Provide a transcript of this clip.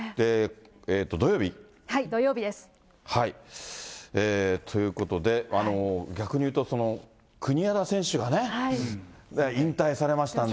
土曜日？ということで、逆に言うと、国枝選手が引退されましたんで。